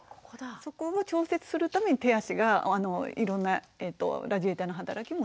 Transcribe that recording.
そこを調節するために手足がいろんなラジエーターの働きもしているので。